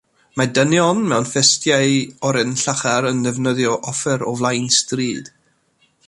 Mae dynion mewn festiau oren llachar yn defnyddio offer o flaen stryd.